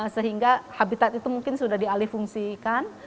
sehingga habitat itu mungkin sudah dialih fungsi ikan